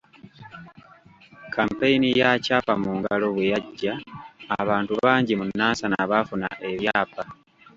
Kkampeyini ya ‘Kyapa mu Ngalo’ bwe yajja, abantu bangi mu Nansana baafuna ebyapa.